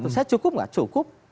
saya cukup nggak cukup